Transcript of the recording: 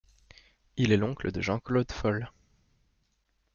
Il est l'oncle de Jean-Claude Fall.